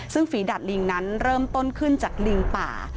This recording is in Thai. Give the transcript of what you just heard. ซึ่งฝีดัดลิงนั้นเริ่มต้นขึ้นจากลิงป่า